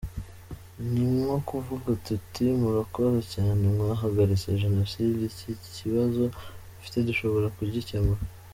Ni nko kuvuga tuti ‘mwarakoze cyane, mwahagaritse Jenoside, iki kibazo mufite dushobora kugikemura.